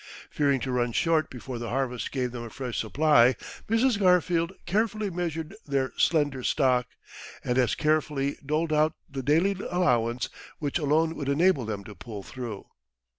Fearing to run short before the harvest gave them a fresh supply, Mrs. Garfield carefully measured their slender stock, and as carefully doled out the daily allowance which alone would enable them to pull through.